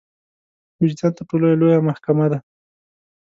وجدان تر ټولو لويه محکمه ده.